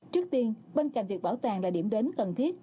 trước tiên bên cạnh việc bảo tàng là điểm đến cần thiết